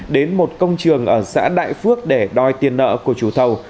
đến một công trường ở xã đại phước để đòi tiền nợ của chủ thầu